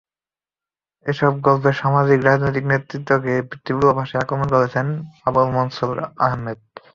এসব গল্পে সামাজিক-রাজনৈতিক নেতৃত্বকে তীব্র ভাষায় আক্রমণ করেছেন আবুল মনসুর আহমদ।